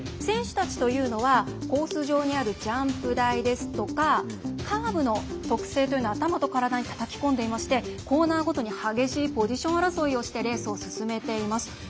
選手たちというのはコース上にあるジャンプ台とかですとかカーブの特性というのを頭と体にたたき込んでいましてコーナーごとに激しいポジション争いをしてレースを進めています。